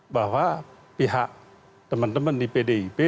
bahwa pihak teman teman di pdip